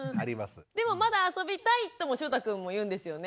でもまだ遊びたいともしゅうたくんも言うんですよね？